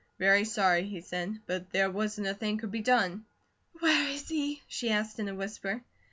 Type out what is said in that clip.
"Very sorry," he said, "but there wasn't a thing could be done." "Where is he?" she asked in a whisper.